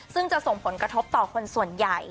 ซึ่งจะส่งผลกระทบต่อคนส่วนใหญ่